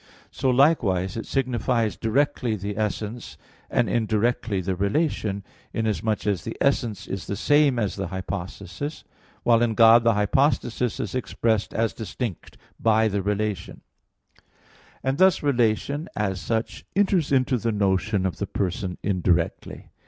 So likewise it signifies directly the essence, and indirectly the relation, inasmuch as the essence is the same as the hypostasis: while in God the hypostasis is expressed as distinct by the relation: and thus relation, as such, enters into the notion of the person indirectly.